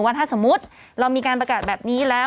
ว่าถ้าสมมุติเรามีการประกาศแบบนี้แล้ว